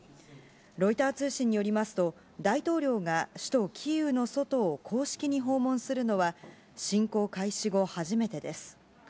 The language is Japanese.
ロイター通信によりますと、大統領が首都キーウの外を公式に訪問するのは、侵攻開始後初めてです。